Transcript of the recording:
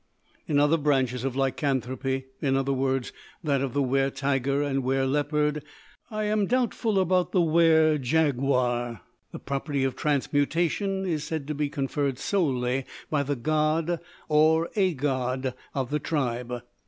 In other branches of lycanthropy, viz., that of the wer tiger and wer leopard I am doubtful about the wer jaguar the property of transmutation is said to be conferred solely by the god, or a god, of the tribe.